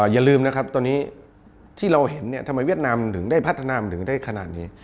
อย่าลืมนะครับตอนนี้ทำไมเวียดนามได้พัฒนาถึงได้ขนาดนี้